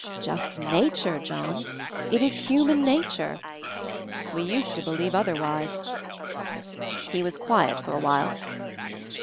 "Just nature, John. It is human nature. We used to believe otherwise." He was quiet for a while.